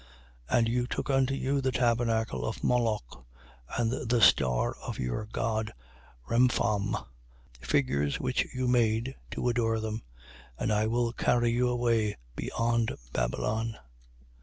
7:43. And you took unto you the tabernacle of Moloch and the star of your god Rempham, figures which you made to adore them. And I will carry you away beyond Babylon.